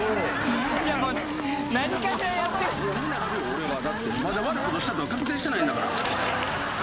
俺はまだ悪いことしたって確定してないんだから。